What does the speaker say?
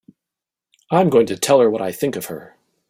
I'm going to tell her what I think of her!